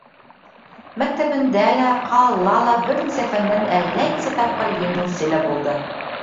Мәктәбендә лә, ҡалала ла бер нисә фәндән әллә нисә тапҡыр еңеүсе лә булды.